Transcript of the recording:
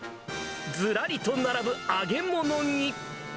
ずらりと並ぶ揚げ物に。